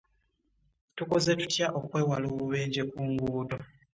Tukoze tutya okwewala obubenje ku nguudo .